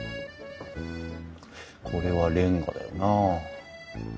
これはレンガだよな。